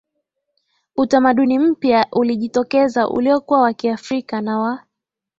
Utamaduni mpya ulijitokeza uliokuwa wa Kiafrika na wa